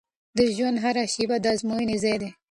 د ژوند هره شیبه د ازموینې ځای دی.